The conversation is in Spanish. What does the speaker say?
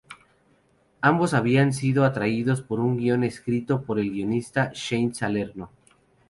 Ambos habían sido atraídos por un guion escrito por el guionista Shane Salerno.